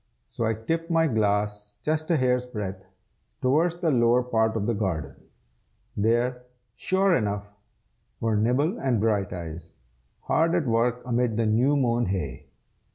So I tipped my glass just a hair's breadth, towards the lower part of the garden. There, sure enough, were Nibble and Brighteyes, hard at work amid the new mown hay.